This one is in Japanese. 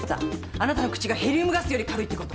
あなたの口がヘリウムガスより軽いってこと。